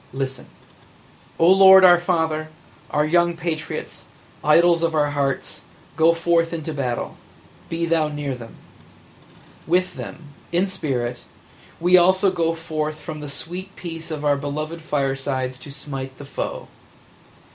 Listen! "O Lord our Father, our young patriots, idols of our hearts, go forth to battle – be Thou near them! With them – in spirit – we also go forth from the sweet peace of our beloved firesides to smite the foe.